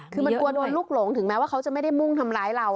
คือมันกลัวโดนลูกหลงถึงแม้ว่าเขาจะไม่ได้มุ่งทำร้ายเรา